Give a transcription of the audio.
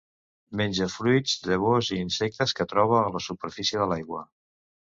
Menja fruits, llavors i insectes que troba a la superfície de l'aigua.